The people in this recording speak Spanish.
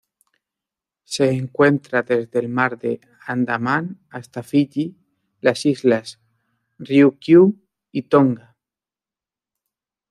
Se encuentra desde el Mar de Andaman hasta Fiyi, las Islas Ryukyu y Tonga.